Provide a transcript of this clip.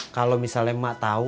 kalau misalnya emak tau